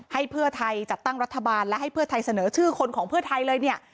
ให้เพิร์ชไทยจัดตั้งรัฐบาลและให้เพิร์ชไทยเสนอชื่อคนของเพิร์ชไทยเลย